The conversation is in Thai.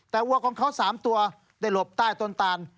แต่วัวของเขา๓ตัวได้หลบใต้ต้นตาน